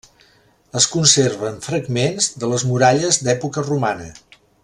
Es conserven fragments de les muralles d'època romana.